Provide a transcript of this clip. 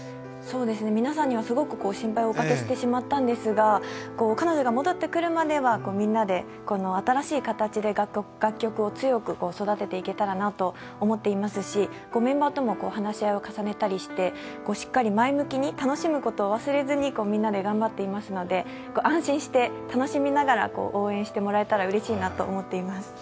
皆さんにはすごく心配をおかけしてしまったんですが彼女が戻ってくるまではみんなで新しい形で楽曲を強く育てていけたらなと思っていますし、メンバーとも話し合いを重ねたりして、前向きに楽しむことを忘れずにみんなで頑張っていますので安心して、楽しみながら応援してもらえたらうれしいなと思っています。